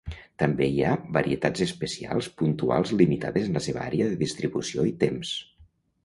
També hi ha varietats especials puntuals limitades en la seva àrea de distribució i temps.